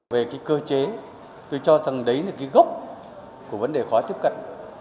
về cơ chế tôi cho rằng đấy là gốc của vấn đề khó tiếp cận